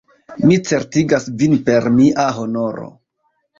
Mi certigas vin per mia honoro!